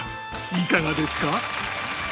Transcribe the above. いかがですか？